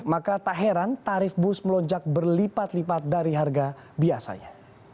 maka tak heran tarif bus melonjak berlipat lipat dari harga biasanya